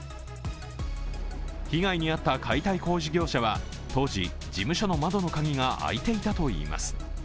被害に遭った解体工事業者は当時、事務所の窓の鍵が開いていたといいます。